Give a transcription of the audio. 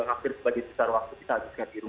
akhir sebagai sisa waktu kita habiskan di rumah